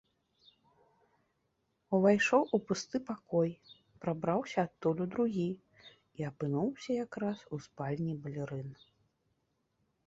Увайшоў у пусты пакой, прабраўся адтуль у другі і апынуўся якраз у спальні балерын.